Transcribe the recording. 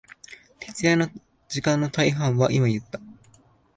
徹夜の時間の大半は、今言った、